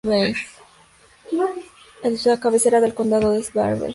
La cabecera del condado es Waverly.